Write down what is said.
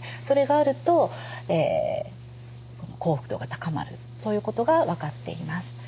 それがあると幸福度が高まるということが分かっています。